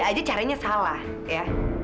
aja caranya salah ya